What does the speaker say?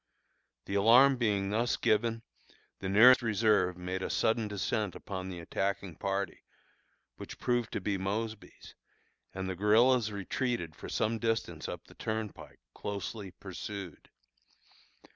The alarm being thus given, the nearest reserve made a sudden descent upon the attacking party, which proved to be Mosby's, and the guerillas retreated for some distance up the turnpike, closely pursued.